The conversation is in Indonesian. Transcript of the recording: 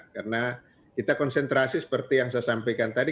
karena kita konsentrasi seperti yang saya sampaikan tadi